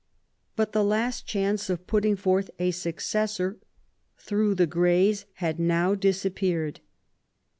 But the last chance of putting forth the successor through the Greys had now disappeared.